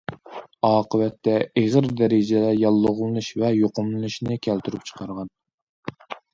ئاقىۋەتتە ئېغىر دەرىجىدە ياللۇغلىنىش ۋە يۇقۇملىنىشنى كەلتۈرۈپ چىقارغان.